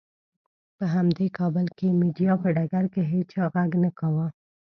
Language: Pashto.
په همدې کابل کې مېډیا په ډګر کې هېچا غږ نه کاوه.